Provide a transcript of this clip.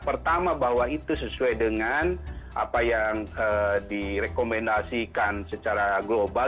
pertama bahwa itu sesuai dengan apa yang direkomendasikan secara global